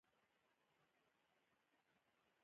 زړه د ښکلي احساسونو ځای دی.